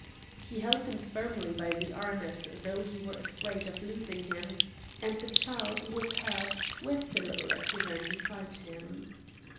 He held him firmly by the arm as though he were afraid of losing him, and the child, who was hurt, wept a little as he ran beside him.